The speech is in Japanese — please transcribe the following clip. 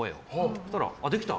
そしたらできた！